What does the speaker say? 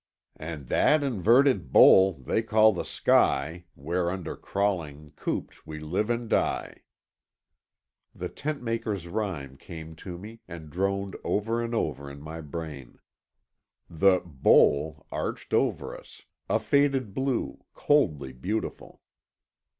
"And that inverted Bowl they call the Sky, whereunder crawling, cooped, we live and die——" The Tentmaker's rhyme came to me and droned over and over in my brain. The "Bowl" arched over us, a faded blue, coldly beautiful.